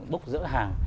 bốc dỡ hàng